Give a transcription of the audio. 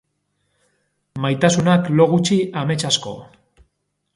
Maitasunak lo gutxi, amets asko.